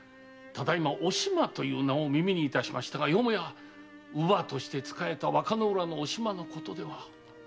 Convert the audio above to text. ただいま「お島」という名を耳にいたしましたがよもや乳母として仕えた和歌浦のお島のことでは？